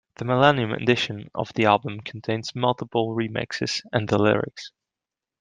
The millennium edition of the album contains multiple remixes and the lyrics.